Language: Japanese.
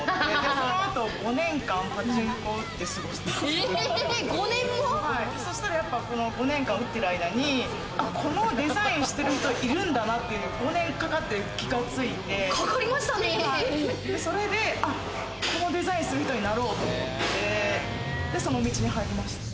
その後、５年間パチンコ打って過ごしてたんですけれども、そしたら５年間打ってる間にこのデザインしてる人いるんだなって、５年かかって気がついて、それで、このデザインする人になろうと思って、その道に入りました。